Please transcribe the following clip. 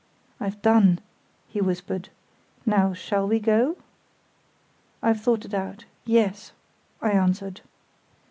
"I've done," he whispered. "Now shall we go?" "I've thought it out. Yes," I answered.